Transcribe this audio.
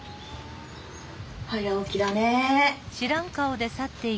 早起きだね。